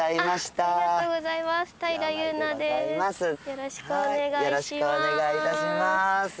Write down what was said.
よろしくお願いします。